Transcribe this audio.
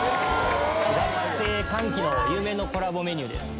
学生歓喜の夢のコラボメニューです。